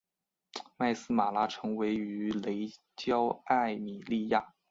麦丝玛拉成立于雷焦艾米利亚。